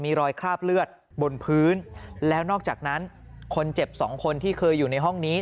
มีรอยคราบเลือดบนพื้นแล้วนอกจากนั้นคนเจ็บสองคนที่เคยอยู่ในห้องนี้